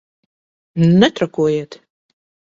Netrakojiet!